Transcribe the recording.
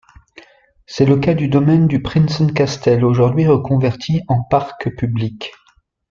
C'est le cas du domaine du Prinsenkasteel, aujourd'hui reconverti en parc public.